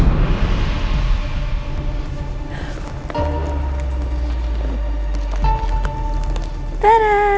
masih inget tante enggak